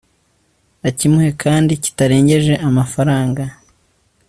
acyimuhe kandi kitarengeje amafaranga